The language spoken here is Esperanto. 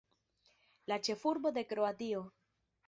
La ĉefurbo de Kroatio.